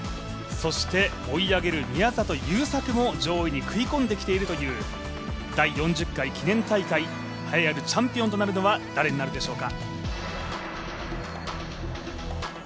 そして追い上げる宮里優作も上位に食い込んできているという第４０回記念大会、栄えあるチャンピオンとなるのは誰になるのでしょうか。